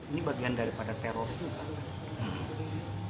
ini bagian daripada teror juga